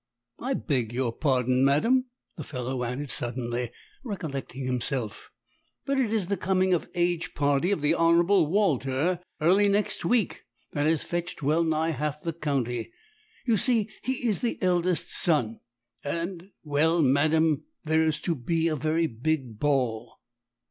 I beg your pardon, madam," the fellow added suddenly, recollecting himself, "but it is the Coming of Age party of the Hon. Walter early next week that has fetched well nigh half the county; you see he is the eldest son and well, madam, there is to be a very big ball.